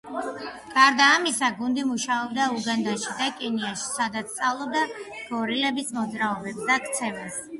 გარდა ამისა, გუნდი მუშაობდა უგანდაში და კენიაში, სადაც სწავლობდა გორილების მოძრაობებს და ქცევას.